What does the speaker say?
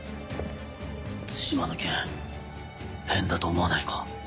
対馬の件変だと思わないか？